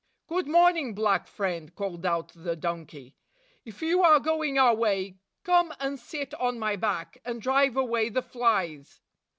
"Good morning, black friend," called out the donkey. "If you are going our way, come and sit on my back, and drive away the flies."